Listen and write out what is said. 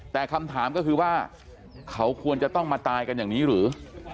แต่คำถามก็คือว่าเขาควรจะต้องมาตายกันอย่างนี้หรือ